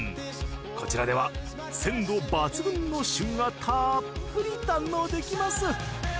こちらでは鮮度抜群の旬がたっぷり堪能できます。